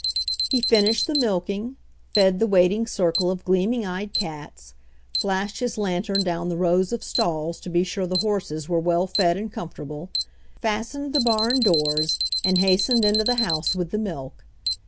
He finished the milking, fed the waiting circle of gleaming eyed cats, flashed his lantern down the rows of stalls to be sure the horses were well fed and comfortable, fastened the barn doors and hastened into the house with the milk.